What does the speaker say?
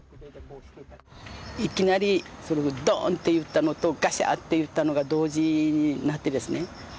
いきなりドーンっていったのとガシャーンっていったのが同時になってですね。